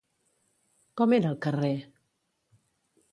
Com era el carrer?